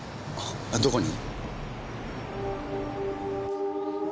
どこに？